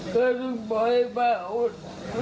ก็ต้องบอกให้ป้าอด